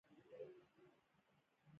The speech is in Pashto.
ما پوښتنه وکړه چې ولې باید ټول یهودان ووژل شي